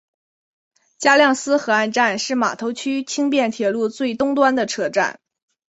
加量斯河岸站是码头区轻便铁路最东端的车站。